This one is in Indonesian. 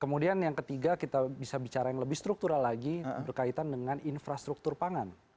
kemudian yang ketiga kita bisa bicara yang lebih struktural lagi berkaitan dengan infrastruktur pangan